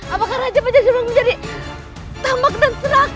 apakah raja pajajaran menjadi tamak dan serahkan